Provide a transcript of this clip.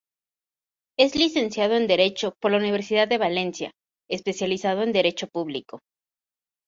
Es licenciado en Derecho por la Universidad de Valencia, especializado en Derecho Público.